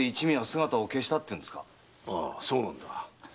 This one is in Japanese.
ああそうなんだ。